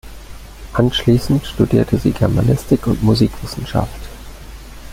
Anschließend studierte sie Germanistik und Musikwissenschaft.